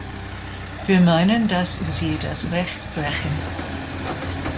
Wir meinen, dass Sie das Recht brechen!